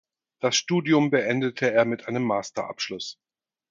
Das Studium beendete er mit einem Master-Abschluss.